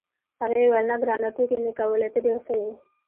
هغې وویل: نه، ګرانه، ټوکې مې کولې، ته ډېر ښه یې.